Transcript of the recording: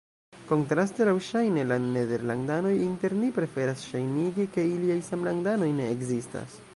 Kontraste, laŭŝajne, la nederlandanoj inter ni preferas ŝajnigi, ke iliaj samlandanoj ne ekzistas.